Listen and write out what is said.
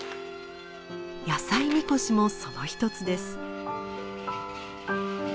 野菜神輿もその一つです。